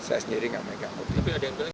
saya sendiri tidak memegang kopinya